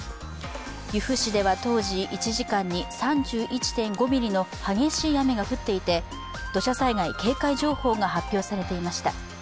由布市では当時、１時間に３１．５ミリの激しい雨が降っていて、土砂災害警戒情報が発表されていました。